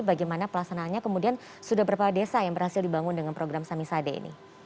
bagaimana pelaksanaannya kemudian sudah berapa desa yang berhasil dibangun dengan program samisade ini